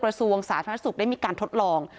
กระสูงวงศาสนสุขได้มีการทดลอง